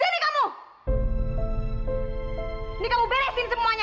ini kamu beresin semuanya anak sama ibu sama aja begonya